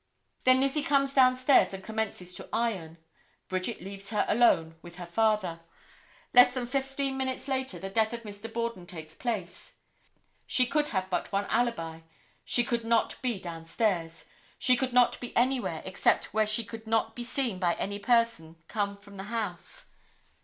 Then Lizzie comes down stairs and commences to iron. Bridget leaves her alone with her father. Less than fifteen minutes later the death of Mr. Borden takes place. She could have but one alibi, she could not be down stairs; she could not be anywhere except where she could not see any person come from the house.